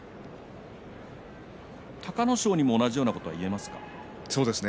隆の勝にも同じようなことが言えますか。